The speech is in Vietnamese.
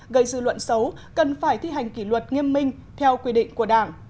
gây dư luận xấu cần phải thi hành kỷ luật nghiêm minh theo quy định của đảng